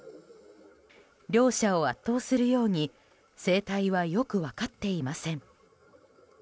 両者を圧倒するように生態はよく分かっていません。